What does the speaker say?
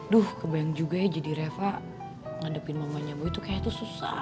duh kebayang juga jadi reva ngadepin mamanya boy tuh kayaknya tuh susah ya